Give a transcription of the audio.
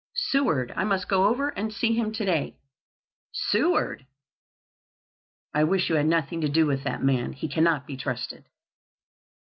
"Seward; I must go over and see him today." "Seward! I wish you had nothing to do with that man. He cannot be trusted."